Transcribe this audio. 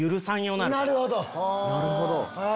なるほど！